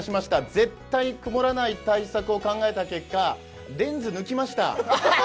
絶対曇らない対策を考えた結果レンズ抜きました。